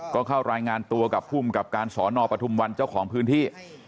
ก็เข้ารายงานตัวกับภูมิกับการสอนอปทุมวันเจ้าของพื้นที่